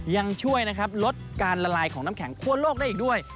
ยังช่วยนะครับลดการละลายของน้ำแข็งคั่วโลกได้อีกด้วย